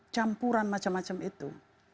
campuran macam macam itu